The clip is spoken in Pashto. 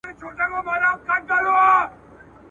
څوک منصور نسته چي یې په دار کي ,